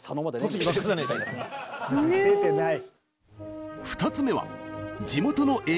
出てない。